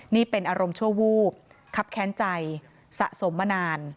นี่เป็นอารมณ์ชั่ววูบครับแค้นใจสะสมมานาน